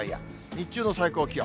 日中の最高気温。